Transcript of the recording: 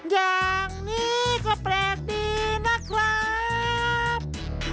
อย่างนี้ก็แปลกดีนะครับ